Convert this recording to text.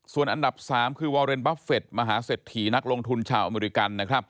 ส่วนอันดับ๓คือวาเรนบัฟเฟตมหาเศรษฐีนักลงทุนชาวอเมริกันนะครับ